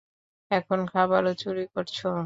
এখন খাবারও চুরি করছো?